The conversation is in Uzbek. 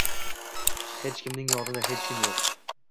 Hech kimning yonida hech kim yo'q.